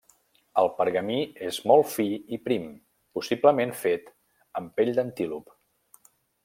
El pergamí és molt fi i prim; possiblement fet amb pell d'antílop.